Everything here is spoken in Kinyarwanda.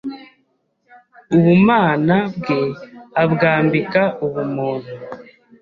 ubumana bwe abwambika ubumuntu,